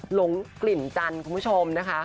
หลงกลิ่นจันทร์คุณผู้ชมนะคะ